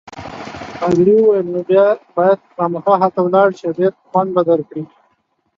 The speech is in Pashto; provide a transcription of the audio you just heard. پادري وویل: نو بیا باید خامخا هلته ولاړ شې، ډېر خوند به درکړي.